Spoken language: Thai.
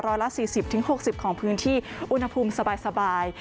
ร้อยละ๔๐๖๐ของพื้นที่อุณหภูมิสบาย